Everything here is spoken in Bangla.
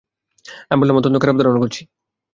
আমি বললাম, অত্যন্ত খারাপ ধারণা করছি।